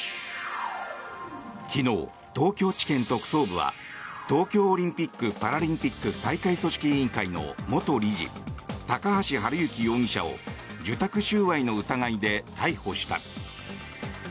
昨日、東京地検特捜部は東京オリンピック・パラリンピック大会組織委員会の元理事高橋治之容疑者を受託収賄の疑いで逮捕した。